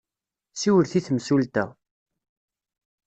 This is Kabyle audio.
Siwlet i temsulta.